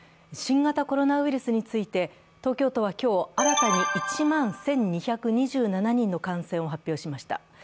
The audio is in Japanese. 新型コロナウイルスについて、東京都は今日新たに１万１２２７人の感染を発表しました。